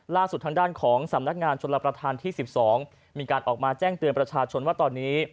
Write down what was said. ล่าสุดทางด้านของสำนักงานชนรับประทานที่๑๒มีการออกมาแจ้งเตือนประชาชนว่าตอนนี้